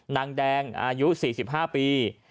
นางแดงอายุ๔๕ปี